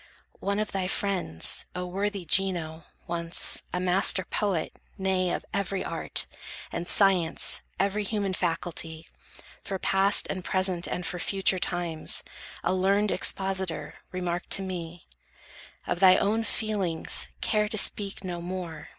One of thy friends, O worthy Gino, once, A master poet, nay, of every Art, And Science, every human faculty, For past, and present, and for future times, A learned expositor, remarked to me: "Of thy own feelings, care to speak no more!